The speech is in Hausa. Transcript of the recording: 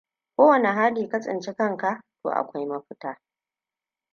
Kowane hali ka tsinci kan ka, to akwai mafita.